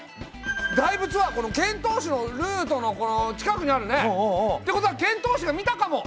大仏は遣唐使のルートの近くにあるね！ってことは遣唐使が見たかも。